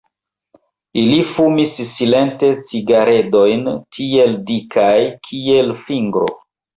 Ili fumis silente cigaredojn tiel dikajn, kiel fingro.